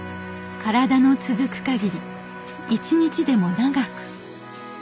体の続くかぎり一日でも長く。